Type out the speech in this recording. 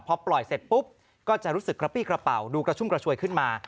พอปล่อยเสร็จปุ๊บก็จะรู้สึกกระปี้กระเป๋าดูกระชุ่มกระชวยขึ้นมา